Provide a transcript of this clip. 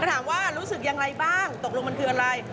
ถามว่ารู้สึกยังไงบ้างตกลงมันคืออะไร